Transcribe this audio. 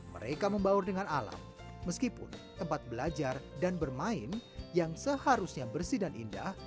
mereka membaur dengan alam meskipun tempat belajar dan bermain yang seharusnya bersih dan indah